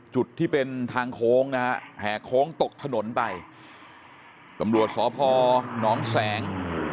จุดที่เป็นทางโค้งนะฮะแห่โค้งตกถนนไปตำรวจสพนแสง